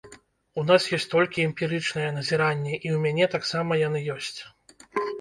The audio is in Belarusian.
У нас ёсць толькі эмпірычныя назіранні, і ў мяне таксама яны ёсць.